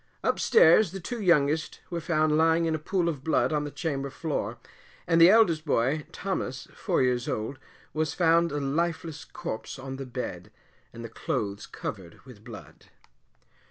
Up stairs the two youngest were found lying in a pool of blood on the chamber floor, and the eldest boy, Thomas, four years old, was found a lifeless corpse on the bed, and the clothes covered with blood.